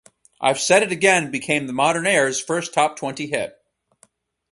I've Said It Again became The Modernaires' first top-twenty hit.